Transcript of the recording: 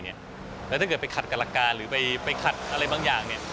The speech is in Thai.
แล้วถ้าเกิดไปขัดกรการหรือไปขัดอะไรบางอย่าง